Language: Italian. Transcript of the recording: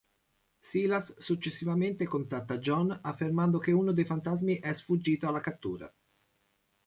Silas successivamente contatta J'onn affermando che uno dei fantasmi è sfuggito alla cattura.